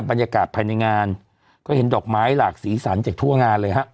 บรรยากาศภายในงานก็เห็นดอกไม้หลากสีสันจากทั่วงานเลยฮะ